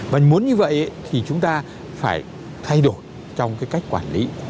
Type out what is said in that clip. và muốn như vậy thì chúng ta phải thay đổi trong cái cách quản lý